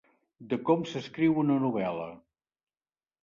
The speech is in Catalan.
De com s'escriu una novel·la.